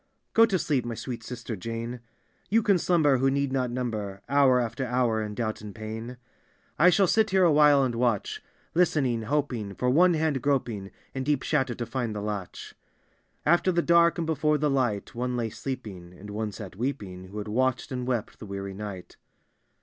"Go to sleep, my sweet sister Jane; You can slumber, who need not number Hour after hour, in doubt and pain. D,gt,, erihyGOOglC The Gkosfs Petition 167 "I shall sit here awhile and watch; Listening, hoping for one hand groping, In deep shadow, to linil the latch." After the dark and before the l^ht, One lay sleeping, and onfc sat weeping. Who had watched and wept the weaiy ni^t.